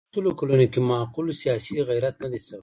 په تېرو سلو کلونو کې معقول سیاسي غیرت نه دی شوی.